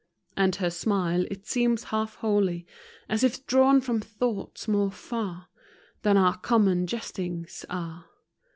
And her smile, it seems half holy, As if drawn from thoughts more far Than our common jestings are.